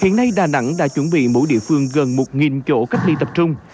hiện nay đà nẵng đã chuẩn bị mỗi địa phương gần một chỗ cách ly tập trung